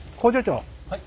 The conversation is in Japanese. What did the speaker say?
はい。